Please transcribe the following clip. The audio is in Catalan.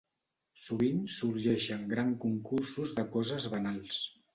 Sovint sorgeixen gran concursos de coses banals.